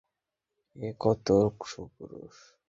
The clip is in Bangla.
ও কত সুপুরুষ।